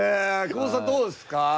久保田さんどうですか？